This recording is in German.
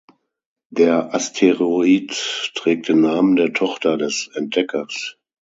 Der Asteroid trägt den Namen der Tochter des Entdeckers.